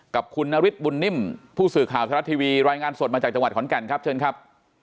กับคุณนฤทธิบุญนิ่มผู้สื่อข่าวทรัฐทีวีรายงานสดมาจากจังหวัดขอนแก่นครับเชิญครับ